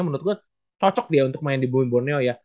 menurut gue cocok dia untuk main di boeing borneo ya